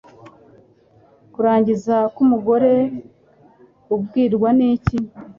kurangiza k'umugore ubwirwa niki